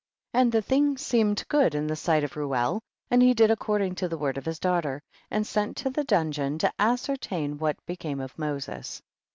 And the thing seemed good in the sight of Reuel, and he did ac cording to the word of his daughter, and sent to the dungeon to ascertain what became of Moses.